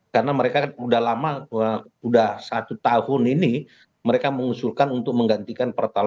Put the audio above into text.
karena mereka kan udah lama udah satu tahun ini mereka mengusulkan untuk menggantikan pertamina